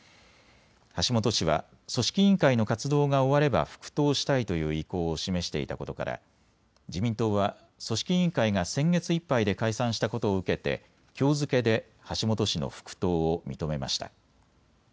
橋本氏は組織委員会の活動が終われば復党したいという意向を示していたことから自民党は組織委員会が先月いっぱいで解散したことを受けてきょう付けで橋本氏の復党を認めました。